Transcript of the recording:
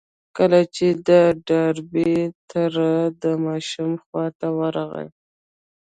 کله چې د ډاربي تره د ماشومې خواته ورغی.